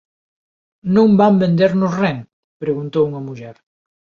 Non van vendernos ren? −preguntou unha muller.